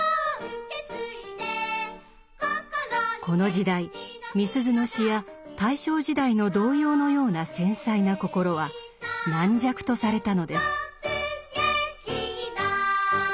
この時代みすゞの詩や大正時代の童謡のような繊細な心は軟弱とされたのです。